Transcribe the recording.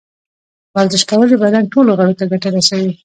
ورزش کول د بدن ټولو غړو ته ګټه رسوي.